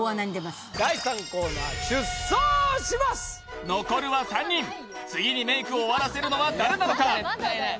第３コーナー残るは３人次にメイクを終わらせるのは誰なのか？